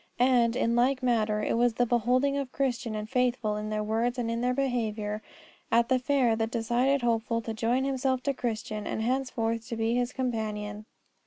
And, in like manner, it was the beholding of Christian and Faithful in their words and in their behaviour at the fair that decided Hopeful to join himself to Christian and henceforth to be his companion.